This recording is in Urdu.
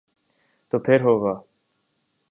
تو پھر ہو گا۔